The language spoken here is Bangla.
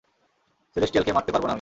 সেলেস্টিয়ালকে মারতে পারবো না আমি।